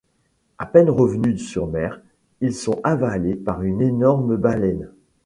À peine revenus sur mer, ils sont avalés par une énorme baleine.